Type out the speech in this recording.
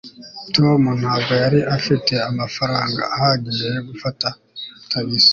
tom ntabwo yari afite amafaranga ahagije yo gufata tagisi